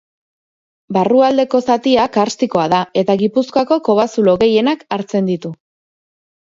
Barrualdeko zatia karstikoa da, eta Gipuzkoako kobazulo gehienak hartzen ditu.